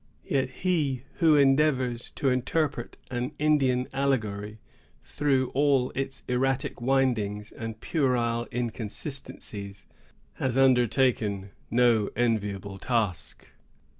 Yet he who endeavors to interpret an Indian allegory through all its erratic windings and puerile inconsistencies, has undertaken no enviable task.